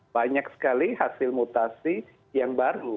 banyak sekali hasil mutasi yang baru